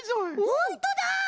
ホントだ！